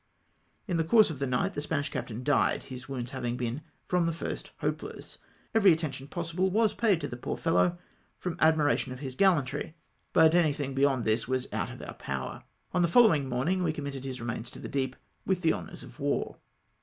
Li the course of the night the Spanish captain died, his wounds having been from the first hopeless. Every attention possible was paid to the poor fellow, from admiration of his gahantry, but anytliing beyond this was out of om' power. On the following morning we committed liis remains to the deep, with the honours of war.